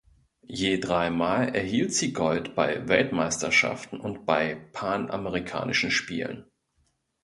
Je dreimal erhielt sie Gold bei Weltmeisterschaften und bei Panamerikanischen Spielen.